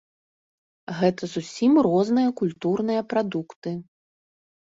Гэта зусім розныя культурныя прадукты.